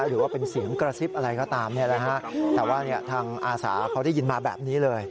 หรือว่าเป็นเสียงกระซิบอะไรก็ตามแต่ว่าทางอาสาเขาได้ยินมาแบบนี้เลย